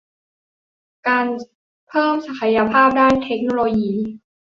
สู่การเพิ่มศักยภาพด้านเทคโนโลยี